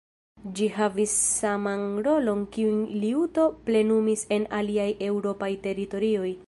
Ĝi havis saman rolon kiun liuto plenumis en aliaj eŭropaj teritorioj.